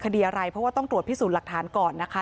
คดีอะไรเพราะว่าต้องตรวจพิสูจน์หลักฐานก่อนนะคะ